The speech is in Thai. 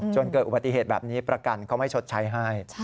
จนเกิดอุบัติเหตุแบบนี้ประกันเขาไม่ชดใช้ให้